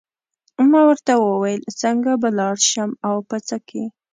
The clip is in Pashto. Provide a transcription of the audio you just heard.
ما ورته وویل څنګه به لاړ شم او په څه کې.